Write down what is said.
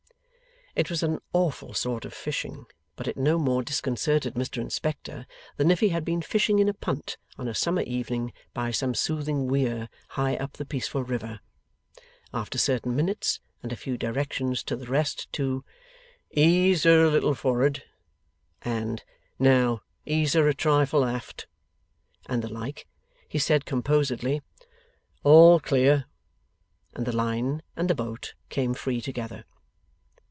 It was an awful sort of fishing, but it no more disconcerted Mr Inspector than if he had been fishing in a punt on a summer evening by some soothing weir high up the peaceful river. After certain minutes, and a few directions to the rest to 'ease her a little for'ard,' and 'now ease her a trifle aft,' and the like, he said composedly, 'All clear!' and the line and the boat came free together.